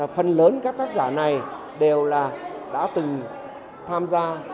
phần lớn các tác giả này đều là đã từng tham gia